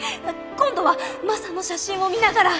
今度はマサの写真を見ながら。